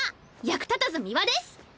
役立たず三輪です！